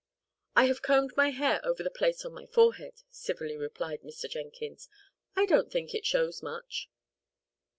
"I have combed my hair over the place on my forehead!" civilly replied Mr. Jenkins. "I don't think it shows much."